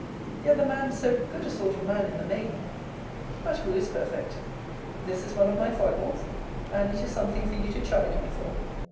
Yet the man so good a sort of man in the main! But who is perfect? This is one of my foibles: and it is something for you to chide me for.